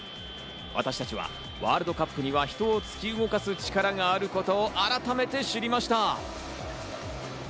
私たちはワールドカップには人を突き動かす力があることを改めて知りました。